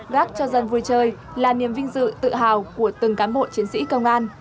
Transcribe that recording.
gác cho dân vui chơi là niềm vinh dự tự hào của từng cám bộ chiến sĩ công an